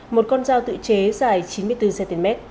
một con dao tự chế dài chín mươi bốn cm